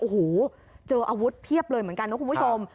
โอ้โหเจออาวุธเพียบเลยเหมือนกันนะคุณผู้ชม